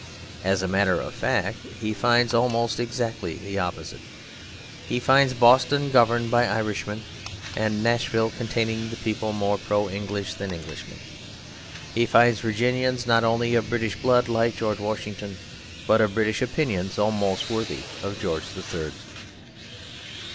As a matter of fact, he finds almost exactly the opposite. He finds Boston governed by Irishmen, and Nashville containing people more pro English than Englishmen. He finds Virginians not only of British blood, like George Washington, but of British opinions almost worthy of George the Third.